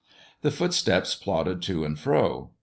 The footsteps plodded to and fro.